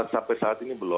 sampai saat ini belum